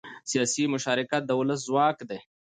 سیاسي مشارکت د ولس ځواک دی